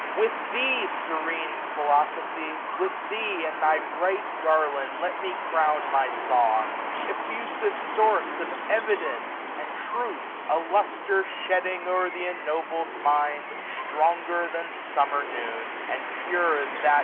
With thee, serene Philosophy, with thee,' And thy bright garland, let me etown my song ! 1 730 Effusive source of evidence, and troth I A lustre shedding o'er th* ennobled mind. Stronger than sunmier noon ; and pure as that.